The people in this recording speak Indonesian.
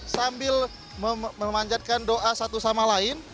sambil memanjatkan doa satu sama lain